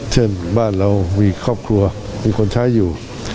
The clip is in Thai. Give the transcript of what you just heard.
เช่นบ้านเรามีครอบครัวมีคนใช้อยู่